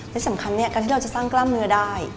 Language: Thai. ที่สำคัญการที่เราจะสร้างกล้ามเนื้อได้